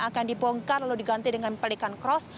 akan dibongkar lalu diganti dengan pelikan cross